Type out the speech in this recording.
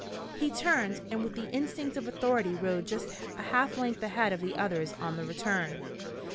He turned, and with the instinct of authority rode just a half length ahead of the others on the return.